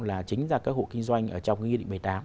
là chính ra cái hộ kinh doanh trong cái nghị định một mươi tám